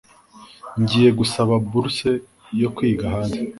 Ngiye gusaba buruse yo kwiga hanze.